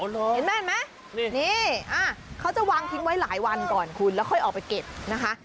เห็นไหมเห็นไหมนี่เขาจะวางทิ้งไว้หลายวันก่อนคุณแล้วค่อยออกไปเก็บนะคะ